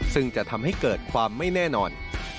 ซึ่งจะทำให้เกิดความไม่แน่นอน